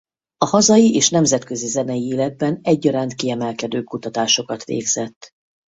A hazai és nemzetközi zenei életben egyaránt kiemelkedő kutatásokat végzett.